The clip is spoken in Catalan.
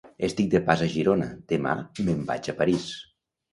Estic de pas a Girona, demà me'n vaig a París.